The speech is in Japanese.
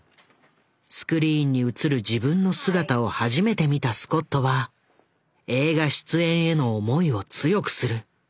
スクリーンに映る自分の姿を初めて見たスコットは映画出演への思いを強くする。